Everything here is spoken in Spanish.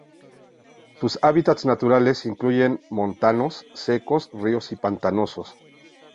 Sus hábitats naturales incluyen montanos secos, ríos y pantanos.